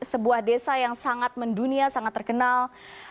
sebuah desa yang sangat mendunia sangat terkenal